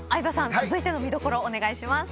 続いての見どころお願いします。